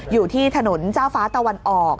อยู่ที่ถนนเจ้าฟ้าตะวันออก